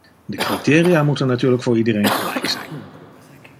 De criteria moeten natuurlijk voor iedereen gelijk zijn.